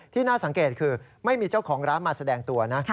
น่าสังเกตคือไม่มีเจ้าของร้านมาแสดงตัวนะ